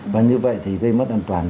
và như vậy thì gây mất an toàn